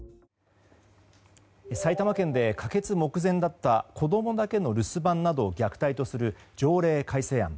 埼玉県で可決目前だった子供だけの留守番などを虐待とする条例改正案。